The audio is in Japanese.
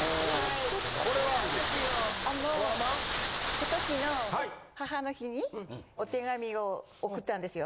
今年の母の日にお手紙を送ったんですよ。